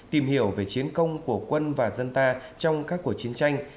tìm hiểu về chiến công của quân và dân ta trong các cuộc chiến tranh